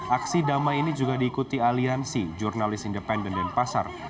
aksi damai ini juga diikuti aliansi jurnalis independen denpasar